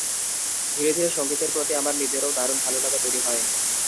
ধীরে ধীরে সংগীতের প্রতি আমার নিজেরও দারুণ ভালো লাগা তৈরি হয়।